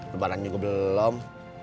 kebaran juga belum